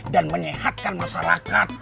dan menyehatkan masyarakat